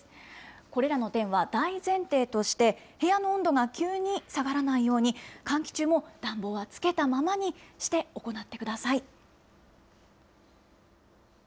これらの点は大前提として、部屋の温度が急に下がらないように、換気中も暖房はつけたままにして、行ってください。